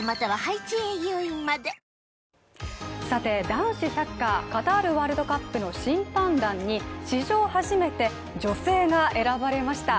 男子サッカーカタールワールドカップの審判団に史上初めて女性が選ばれました。